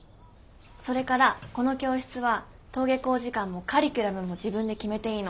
それからこの教室は登下校時間もカリキュラムも自分で決めていいの。